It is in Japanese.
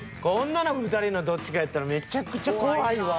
女の子２人のどっちかやったらめちゃくちゃ怖いわ。